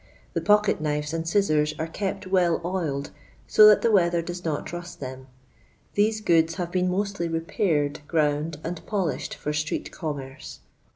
The pocket knives and scissors are kept well oiled, so that the wea ther does not rust them. These goods have been mostly repaired, ground, and polished for street commerce.